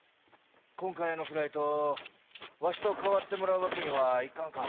今回のフライトわしと代わってもらうわけにいかんか？